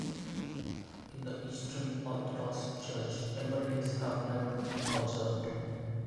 In the Eastern Orthodox Church ember days have never been observed.